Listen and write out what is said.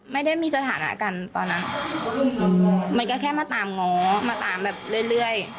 ไม่ได้มีสถานะกันตอนนั้นมันก็แค่มาตามง้อมาตามแบบเรื่อย